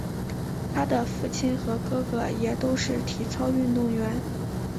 她的父亲和哥哥也都是体操运动员。